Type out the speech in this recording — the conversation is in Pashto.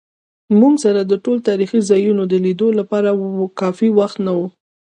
موږ سره د ټولو تاریخي ځایونو د لیدو لپاره کافي وخت نه و.